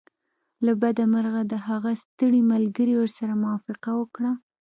له بده مرغه د هغه ستړي ملګري ورسره موافقه وکړه